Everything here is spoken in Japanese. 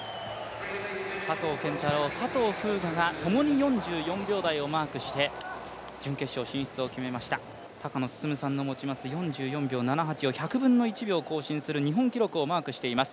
佐藤拳太郎、佐藤風雅がともに４４秒台を記録して、準決勝進出を決めました高野進さんの持つ４４秒７８をマークして１００分の１秒更新する日本記録をマークしています。